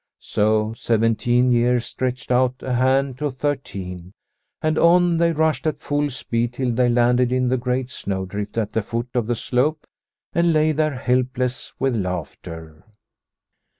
So seventeen years stretched out a hand to thirteen, and on they rushed at full speed till they landed 132 Liliecrona's Home in the great snowdrift at the foot of the slope and lay there helpless with laughter.